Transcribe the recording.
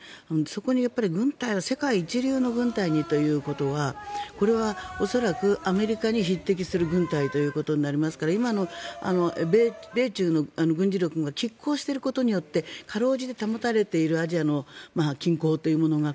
そこに軍隊を世界一流にということはこれは恐らくアメリカに匹敵する軍隊ということになりますから今の米中の軍事力がきっ抗していることによってかろうじて保たれているアジアの均衡というものが